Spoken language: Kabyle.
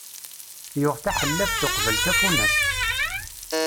Yuɣ taḥellabt uqbel tafunast.